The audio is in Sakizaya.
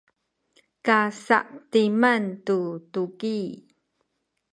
kasa’timan tu tuki